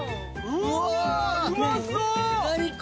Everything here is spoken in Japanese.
うわうまそう！